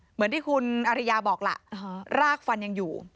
เหมือนที่คุณอริยาบอกล่ะรากฟันยังอยู่